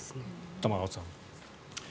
玉川さん。